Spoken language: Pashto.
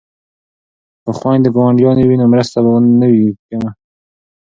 که خویندې ګاونډیانې وي نو مرسته به نه وي کمه.